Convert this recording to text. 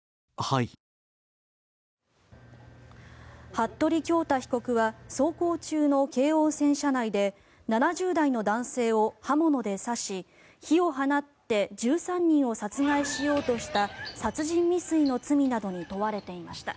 服部恭太被告は走行中の京王線車内で７０代の男性を刃物で刺し火を放って１３人を殺害しようとした殺人未遂の罪などに問われていました。